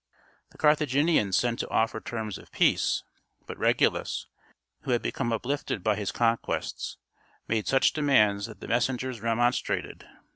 The Carthaginians sent to offer terms of peace; but Regulus, who had become uplifted by his conquests, made such demands that the messengers remonstrated.